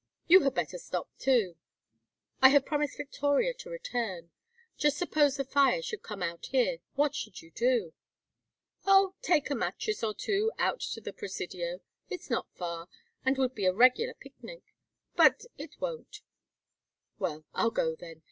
You had better stop, too." "I have promised Victoria to return. Just suppose the fire should come out here, what should you do?" "Oh, take a mattress or two out to the Presidio. It's not far, and would be a regular picnic. But it won't." "Well, I'll go, then.